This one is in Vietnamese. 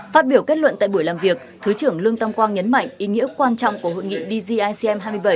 phát biểu kết luận tại buổi làm việc thứ trưởng lương tam quang nhấn mạnh ý nghĩa quan trọng của hội nghị dgicm hai mươi bảy